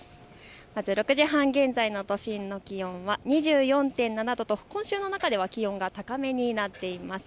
まず６時半現在の都心の気温は２４．７度と今週の中では気温が高めになっています。